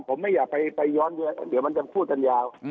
ผมไม่อยากไปย้อนเดี๋ยวมันจะพูดกันยาว